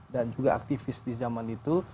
dan juga aktivis di zaman itu